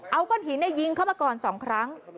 เอาก้อนหินยิงเข้ามาก่อน๒ครั้ง